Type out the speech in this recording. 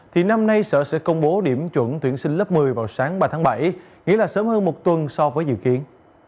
thì năm nay sở sẽ công bố điểm chuẩn tuyển sinh lớp một mươi vào sáng ba tháng bảy nghĩa là sớm hơn một tuần so với dự kiến